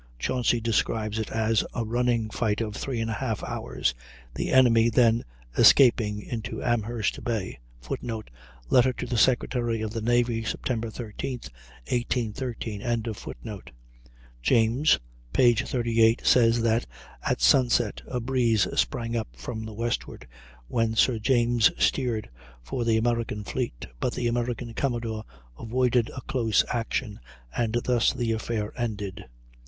Chauncy describes it as a running fight of 3 1/2 hours, the enemy then escaping into Amherst Bay. [Footnote: Letter to the Secretary of the Navy, Sept. 13, 1813.] James (p. 38) says that "At sunset a breeze sprang up from the westward, when Sir James steered for the American fleet; but the American commodore avoided a close action, and thus the affair ended."